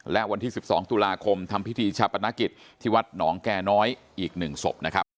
และวันที่๑๒ตุลาคมทำพิธีชาปนกิจที่วัดหนองแก่น้อยอีก๑ศพนะครับ